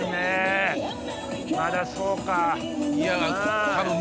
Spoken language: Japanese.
まだそうか。